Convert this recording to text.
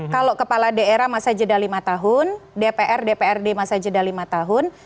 kalau kepala daerah masa jeda lima tahun dpr dprd masa jeda lima tahun